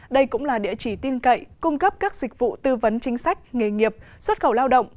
đây cũng là địa chỉ tin cậy cung cấp các dịch vụ tư vấn chính sách nghề nghiệp xuất khẩu lao động